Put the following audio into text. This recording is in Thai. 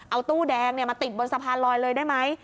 เอาตู้แดงมาติดบนสะพานลอยเลยได้ไหม